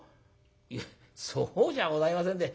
「いやそうじゃございませんで。